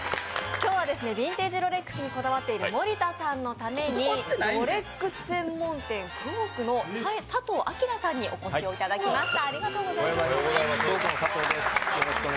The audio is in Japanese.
今日はヴィンテージロレックスにこだわってる森田さんのためにロレックス専門店クォークの佐藤顕さんにお越しをいただきました。